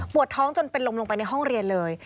ปวดท้องจนลงไปในห้องเรียนเลย